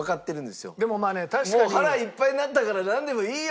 「もう腹いっぱいになったからなんでもいいよ」